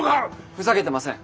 ふざけてません。